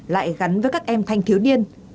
lại gắn với các em thanh thiếu niên